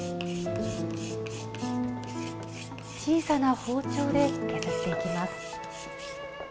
小さな包丁で削っていきます。